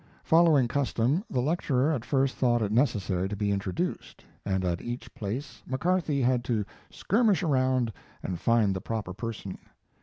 Following custom, the lecturer at first thought it necessary to be introduced, and at each place McCarthy had to skirmish around and find the proper person.